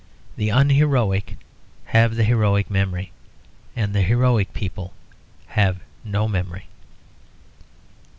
The unheroic have the heroic memory; and the heroic people have no memory.